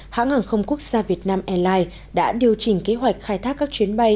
hãng hàng không quốc gia việt nam airlines đã điều chỉnh kế hoạch khai thác các chuyến bay